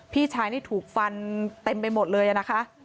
พี่ชายนี่ถูกฟันเต็มไปหมดเลยนะคะ